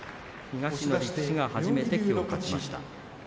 東の力士が初めてきょう勝ちました。